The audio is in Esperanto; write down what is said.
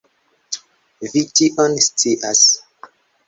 Vi tion scias.